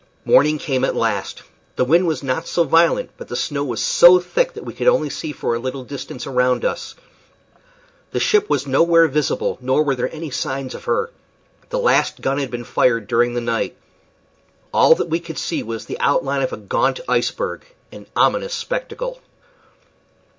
Morning came at last. The wind was not so violent, but the snow was so thick that we could only see for a little distance around us. The ship was nowhere visible, nor were there any signs of her. The last gun had been fired during the night. All that we could see was the outline of a gaunt iceberg an ominous spectacle.